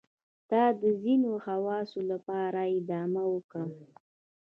دا د ځینو خواصو لپاره ادامه وکړه.